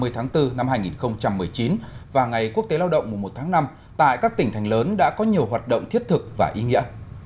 ba mươi tháng bốn năm hai nghìn một mươi chín và ngày quốc tế lao động mùa một tháng năm tại các tỉnh thành lớn đã có nhiều hoạt động thiết thực và ý nghĩa